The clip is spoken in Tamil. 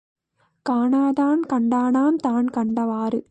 காணாதான் கண்டானாம் தான் கண்டவாறு.